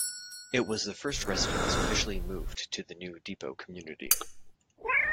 It was the first residence officially moved to the new depot community.